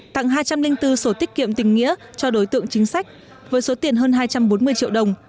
tặng hai trăm linh bốn sổ tiết kiệm tình nghĩa cho đối tượng chính sách với số tiền hơn hai trăm bốn mươi triệu đồng